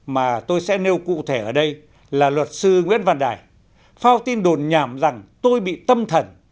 mà tôi sẽ nêu cụ thể ở đây là luật sư nguyễn văn đài phao tin đồn nhảm rằng tôi bị tâm thần